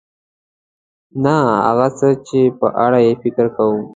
نه هغه څه چې په اړه یې فکر کوو .